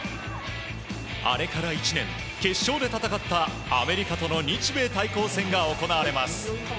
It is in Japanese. あれから１年、決勝で戦ったアメリカとの日米対抗戦が行われます。